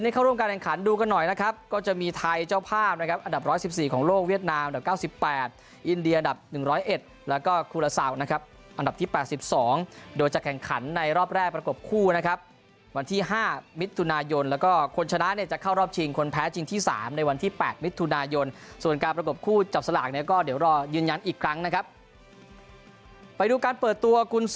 นะครับก็จะมีไทยเจ้าภาพนะครับอันดับ๑๑๔ของโลกเวียดนาม๙๘อินเดียดับ๑๐๑แล้วก็คุณสาวนะครับอันดับที่๘๒โดยจะแข่งขันในรอบแรกประกบคู่นะครับวันที่๕มิตรทุนายนแล้วก็คนชนะเนี่ยจะเข้ารอบจริงคนแพ้จริงที่๓ในวันที่๘มิตรทุนายนส่วนการประกบคู่จับสลากก็เดี๋ยวรอยืนยันอีกครั้งนะครับ